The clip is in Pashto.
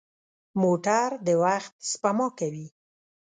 موټر د وخت سپما کوي.